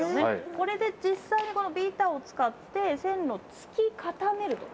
これで実際にこのビーターを使って線路をつき固めると。